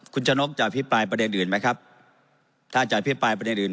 คุณชะนกจะอภิปรายประเด็นอื่นไหมครับถ้าจะอภิปรายประเด็นอื่น